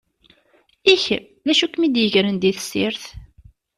I kem, d acu i kem-id-igren di tessirt?